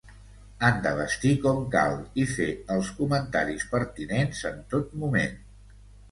Han de vestir com cal i fer els comentaris pertinents en tot moment.